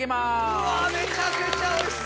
うわめちゃくちゃおいしそう！